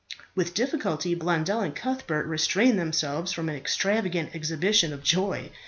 With difficulty Blondel and Cuthbert restrained themselves from an extravagant exhibition of joy.